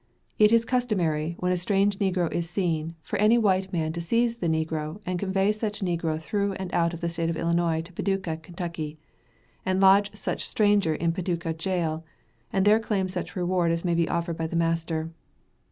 It is customary, when a strange negro is seen, for any white man to seize the negro and convey such negro through and out of the State of Illinois to Paducah, Ky., and lodge such stranger in Paducah jail, and there claim such reward as may be offered by the master.